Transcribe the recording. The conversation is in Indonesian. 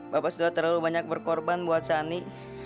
bapak sudah terlalu banyak berkorban buat sani